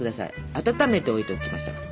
温めておいておきましたから。